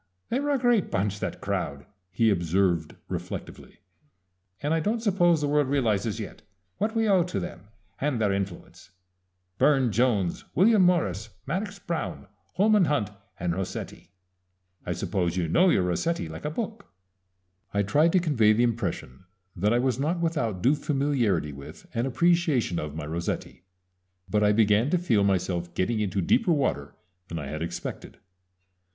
"They were a great bunch, that crowd," he observed reflectively, "and I don't suppose the world realizes yet what we owe to them and their influence. Burne Jones, William Morris, Madox Brown, Holman Hunt, and Rossetti I suppose you know your Rossetti like a book?" I tried to convey the impression that I was not without due familiarity with and appreciation of my Rossetti; but I began to feel myself getting into deeper water than I had expected.